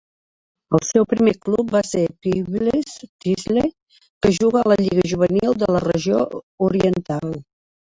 El seu primer club va ser Peebles Thistle, que juga a la lliga juvenil de la Regió Oriental.